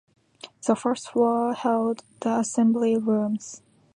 The first floor held the Assembly Rooms.